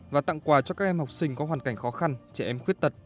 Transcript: và tặng quà cho các em học sinh có hoàn cảnh khó khăn trẻ em khuyết tật